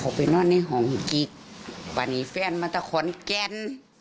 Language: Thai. เขาไปนอนให้ห้องกิ๊กปานอีแฟนมาพังขนแแลก